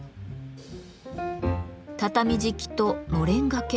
畳敷きとのれん掛け